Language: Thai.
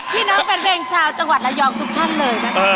น้องแฟนเพลงชาวจังหวัดระยองทุกท่านเลยนะคะ